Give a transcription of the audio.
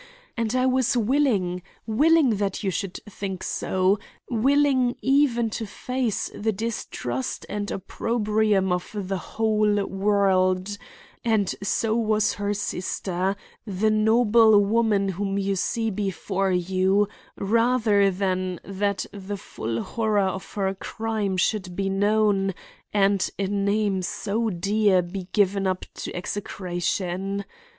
and I was willing, willing that you should think so, willing even to face the distrust and opprobrium of the whole world,—and so was her sister, the noble woman whom you see before you—rather than that the full horror of her crime should be known and a name so dear be given up to execration.